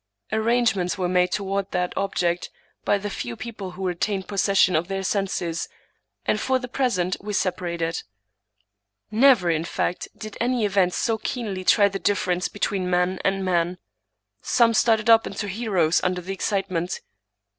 Arrangements were made toward that object by the few people who retained possession of their senses, and for the present we separated. 125 English Mystery Stories Never, in fact, did any events so keenly try the difference between man and man. Some started up into heroes under the excitement.